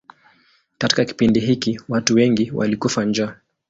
Katika kipindi hiki watu wengi walikufa njaa.